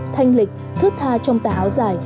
thanh lịch thước tha trong tà áo dài